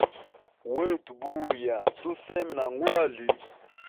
Wetu buya tusembe na ngwaya.